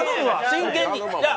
真剣に。